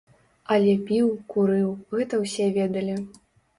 Але піў, курыў, гэта ўсе ведалі.